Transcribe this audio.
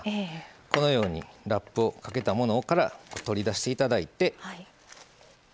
このようにラップをかけたものから取り出していただいて。